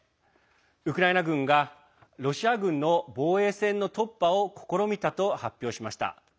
ウクライナ軍がロシア軍の防衛線の突破を試みたと発表しました。